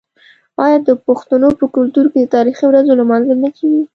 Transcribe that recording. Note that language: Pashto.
آیا د پښتنو په کلتور کې د تاریخي ورځو لمانځل نه کیږي؟